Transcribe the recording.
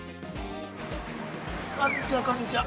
◆こんにちは、こんにちは。